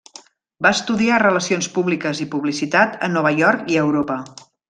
Va estudiar Relacions Públiques i Publicitat a Nova York i a Europa.